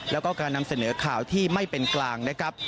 แล้วก็การนำเสนอข่าวที่ไม่เป็นกลางนะครับ